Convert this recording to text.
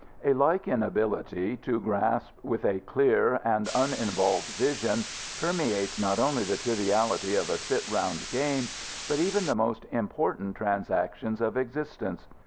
A like inability to grasp with a clear and uninvolved vision, permeates not only the triviality of a sit round game but even the most important transactions of existence.